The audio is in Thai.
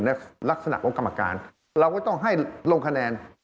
ในลักษณะของกรรมการเราก็ต้องให้ลงคะแนน